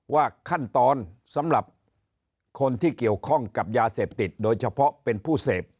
ว่าขั้นตอนสำหรับคนที่เกี่ยวข้องกับยาเสพติดโดยเฉพาะเป็นผู้เสพ